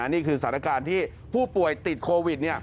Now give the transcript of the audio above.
นี่คือสถานการณ์ที่ผู้ป่วยติดโควิด